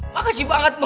makasih banget mon